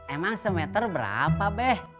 emang semeter berapa beh